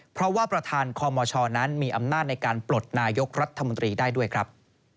เพราะว่าประธานคอมชนั้นมีอำนาจในการปลดนายกรัฐมนตรีได้ด้วยครับ